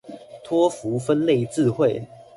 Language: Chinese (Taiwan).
托福分類字彙